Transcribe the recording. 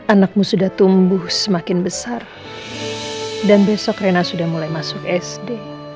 anakmu sudah tumbuh semakin besar dan besok rena sudah mulai masuk sd